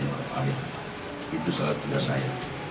amin itu salah tugas saya